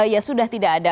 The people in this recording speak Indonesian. ya sudah tidak ada